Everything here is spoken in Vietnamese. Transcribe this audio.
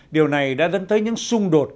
điều này đã dẫn tới những xung đột